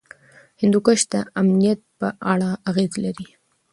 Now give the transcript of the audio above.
هندوکش د امنیت په اړه اغېز لري.